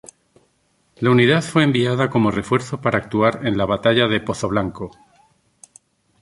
La unidad fue enviada como refuerzo para actuar en la batalla de Pozoblanco.